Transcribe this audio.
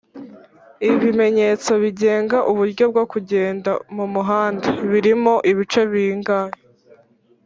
ibimenyetso bigenga uburyo bwo kugenda mumuhanda birimo ibice bingahe